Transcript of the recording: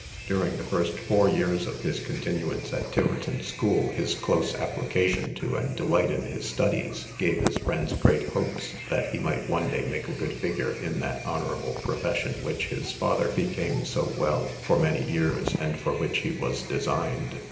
During the first four years of his continuance at Tiverton school, his close application to, and delight in his studies, gave his friends great hopes that he might one day make a good figure in that honourable profession which his father became so well, for many years, and for which he was designed.